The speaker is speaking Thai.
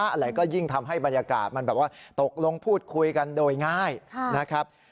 อะไรก็ยิ่งทำให้บรรยากาศมันแบบว่าตกลงพูดคุยกันโดยง่ายนะครับ